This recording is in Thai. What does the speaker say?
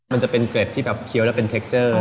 มันจะเป็นเกร็ดที่แบบเคี้ยวแล้วเป็นเทคเจอร์